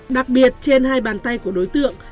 đặc biệt trên hai bàn tay của đối tượng